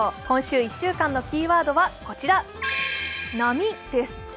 今週１週間のキーワードはこちら、「波」です。